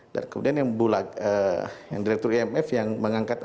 dan kemudian yang direktur imf yang mengangkat dua